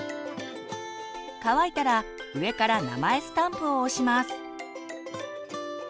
乾いたら上から名前スタンプを押します。